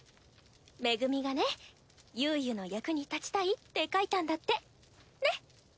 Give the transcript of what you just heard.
メグミがねユウユの役に立ちたいって書いたんだってね？